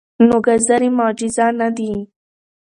نو ګازرې معجزه نه دي.